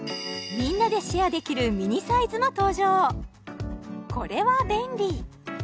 みんなでシェアできるミニサイズも登場これは便利！